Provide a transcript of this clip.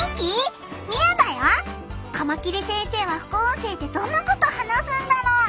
カマキリ先生は副音声でどんなこと話すんだろう？